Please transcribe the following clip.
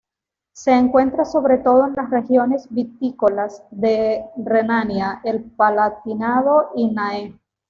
Se encuentra sobre todo en las regiones vitícolas de Renania, el Palatinado y Nahe.